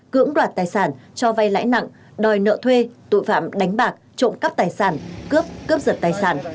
cưỡng đoạt tài sản cho vay lãi nặng đòi nợ thuê tội phạm đánh bạc trộm cắp tài sản cướp cướp giật tài sản